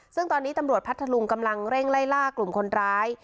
ซึ่งตอนนี้ตำรวจพัทธลุงกำลังเร่งไล่ล่ากลุ่มคนร้าย